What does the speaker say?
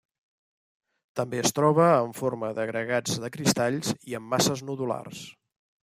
També es troba en forma d'agregats de cristalls i en masses nodulars.